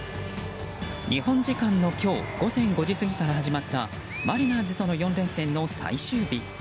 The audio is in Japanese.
日本時間の今日午前５時過ぎから始まったマリナーズとの４連戦の最終日。